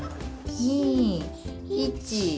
２１。